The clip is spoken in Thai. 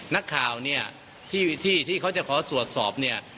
นักข่าวเนี่ยที่เขาจะขอตรวจสอบเนี่ย